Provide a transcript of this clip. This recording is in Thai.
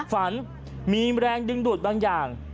ฝันมีแรงดึงดูดบางอย่าง